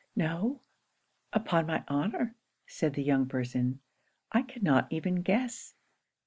'No, upon my honour,' said the young person, 'I cannot even guess.'